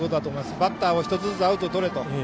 バッターも１つずつアウトをとれと。